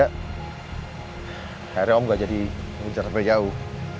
akhirnya om gak jadi menceritakan jauh